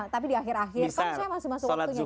tapi di akhir akhir kan saya masih masuk waktunya